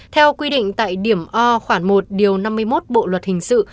theo quy định tại điểm o khoảng một điều năm mươi một bộ luật hình sự